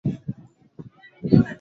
jumuiya ya kimataifa haiwezi ikakaa